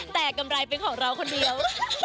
แต่กำไรเป็นของเราคนเดียว